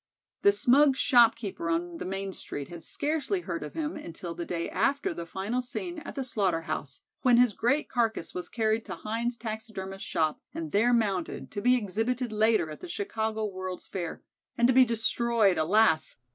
The smug shopkeeper on the main street had scarcely heard of him until the day after the final scene at the slaughter house, when his great carcass was carried to Hine's taxidermist shop and there mounted, to be exhibited later at the Chicago World's Fair, and to be destroyed, alas!